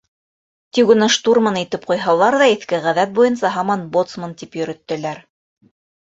Тик уны, штурман итеп ҡуйһалар ҙа, иҫке ғәҙәт буйынса һаман боцман тип йөрөттөләр.